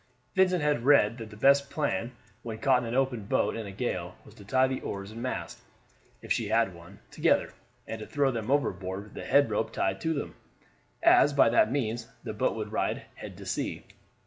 Vincent had read that the best plan when caught in an open boat in a gale, was to tie the oars and mast, if she had one, together, and to throw them overboard with the head rope tied to them, as by that means the boat would ride head to sea.